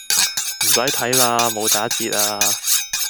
唔洗睇喇，冇打折呀